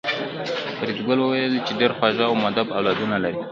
فریدګل وویل چې ډېر خواږه او مودب اولادونه لرې